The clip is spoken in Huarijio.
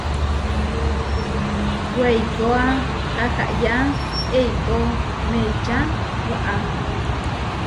Weikóa tahayá eikó meča waá.